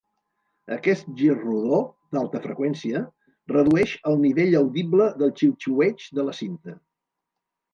Aquest gir rodó d'alta freqüència redueix el nivell audible del xiuxiueig de la cinta.